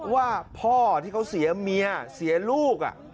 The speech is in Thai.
ว่าพ่อที่เขาเสียเมียเสียลูก